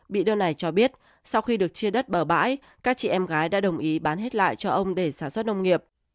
bị đơn này cho biết sau khi được chia đất bờ bãi các chị em gái đã đồng ý bán hết lại cho ông để sản xuất nông nghiệp